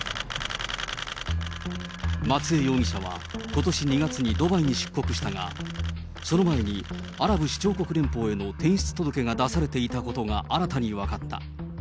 松江容疑者は、ことし２月にドバイに出国したが、その前にアラブ首長国連邦への転出届が出されていたことが新たに分かった。